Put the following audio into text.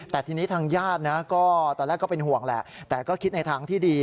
แต่ทีนี้ทางญาตินะก็ตอนแรกก็เป็นห่วงแหละแต่ก็คิดในทางที่ดี